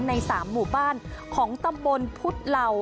ใน๓หมู่บ้านของตำบลพุทธเหล่า